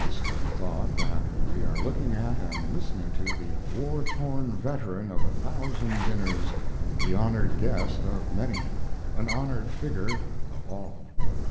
One is impressed with the thought that we are looking at and listening to the war worn veteran of a thousand dinners the honored guest of many; an honored figure of all.